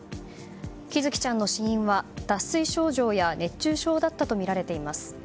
喜寿生ちゃんの死因は脱水症状や熱中症だったとみられています。